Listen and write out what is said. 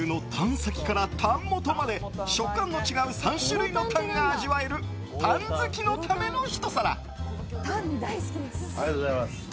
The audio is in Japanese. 先から、たん元まで食感の違う３種類のたんが味わえるたん好きのためのひと皿。